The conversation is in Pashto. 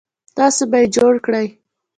تاسو به یې جوړ کړئ